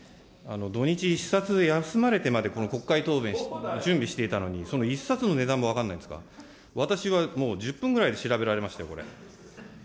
土日、一冊、休まれてたぐらいなのに、この国会答弁、準備していたのに、その１冊の値段も分からないんですか、私は１０分ぐらいで調べられましたよ。